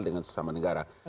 dengan sesama negara